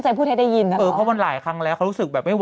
แล้วดาราคุณก็ยังอยู่เนอะ